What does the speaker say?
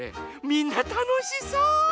みんなたのしそう！